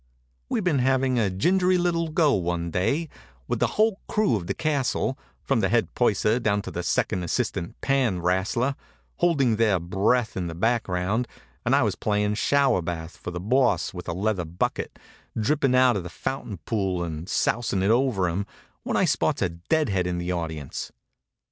We'd been having a gingery little go one day, with the whole crew of the castle, from head purser down to the second assistant pan wrastler, holding their breath in the background, and I was playing shower bath for the Boss with a leather bucket, dipping out of the fountain pool and sousing it over him, when I spots a deadhead in the audience.